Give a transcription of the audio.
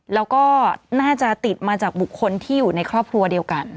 แล้วก็น่าจะติดมาจากบุคคลที่อยู่ในครอบครัวเดียวกัน